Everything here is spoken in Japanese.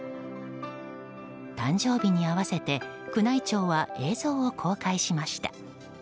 誕生日に併せて、宮内庁は映像を公開しました。